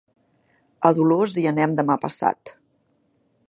A Dolors hi anem demà passat.